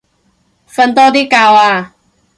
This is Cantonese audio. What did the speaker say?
瞓多啲覺啊